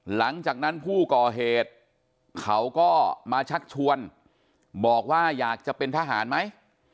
หลังจากนั้นผู้ก่อเหตุเขาก็มาชักชวนบอกว่าอยากจะเป็นทหารไหม